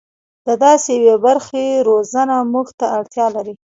د داسې یوې برخې روزنه موږ ته اړتیا لري.